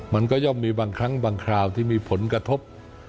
มันก็ย่อมมีบางครั้งบางคราวที่มีผลกระทบ